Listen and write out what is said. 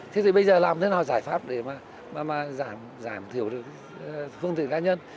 thế thì bây giờ làm thế nào giải pháp để mà giảm thiểu được phương tiện cá nhân